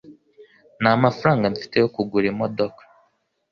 Nta mafaranga mfite yo kugura imodoka